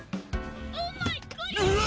「うわ！